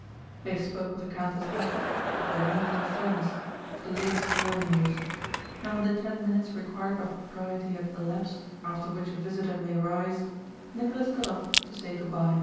They spoke of the countess' health, of their mutual friends, of the latest war news, and when the ten minutes required by propriety had elapsed after which a visitor may rise, Nicholas got up to say good by.